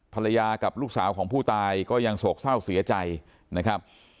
ภรรยากับลูกสาวของผู้ตายก็ยังโศกเศร้าเสียใจนะครับ